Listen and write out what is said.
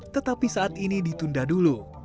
tetapi saat ini ditunda dulu